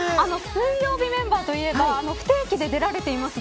水曜日メンバーといえば不定期で出られています